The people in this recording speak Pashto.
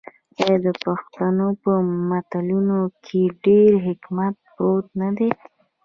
آیا د پښتنو په متلونو کې ډیر حکمت پروت نه دی؟